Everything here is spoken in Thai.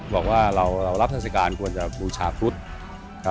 บอกว่าเรารับราชการควรจะบูชาพุทธ